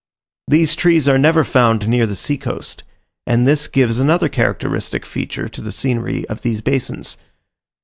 These trees are never found near the sea coast; and this gives another characteristic feature to the scenery of these basins.